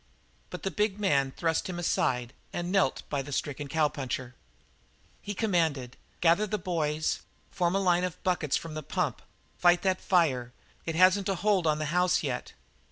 But the big man thrust him aside and knelt by the stricken cowpuncher. He commanded: "Gather the boys; form a line of buckets from the pump; fight that fire. It hasn't a hold on the house yet."